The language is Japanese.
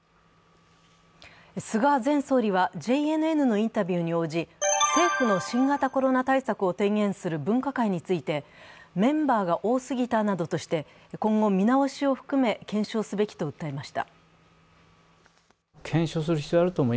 菅前総理はＪＮＮのインタビューに応じ政府の新型コロナ対策を提言する分科会についてメンバーが多すぎたなどとして、今後見直しを含め検証すべきと訴えました。